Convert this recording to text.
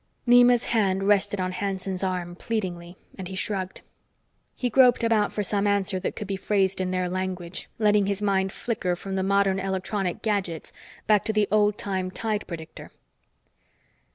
Nema's hand rested on Hanson's arm pleadingly, and he shrugged. He groped about for some answer that could be phrased in their language, letting his mind flicker from the modern electronic gadgets back to the old time tide predicter.